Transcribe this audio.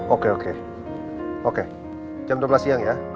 oke oke jam dua belas siang ya